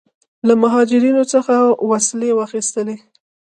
له مهاجرینو څخه وسلې واخیستلې.